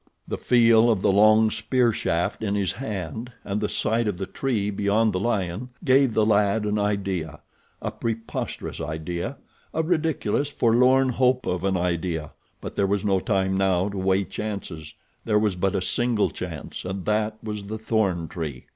The feel of the long spear shaft in his hand and the sight of the tree beyond the lion gave the lad an idea—a preposterous idea—a ridiculous, forlorn hope of an idea; but there was no time now to weigh chances—there was but a single chance, and that was the thorn tree.